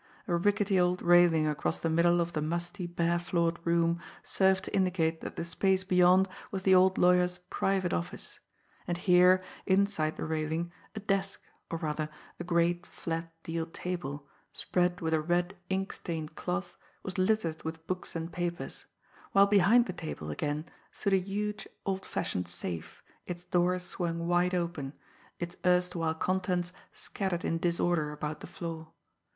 A rickety old railing across the middle of the musty, bare floored room served to indicate that the space beyond was the old lawyer's "private" office. And here, inside the railing, a desk, or, rather, a great, flat, deal table, spread with a red, ink stained cloth, was littered with books and papers; while behind the table, again, stood a huge, old fashioned safe, its door swung wide open, its erstwhile contents scattered in disorder about the floor.